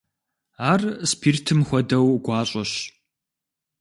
Ар спиртым хуэдэу гуащӀэщ.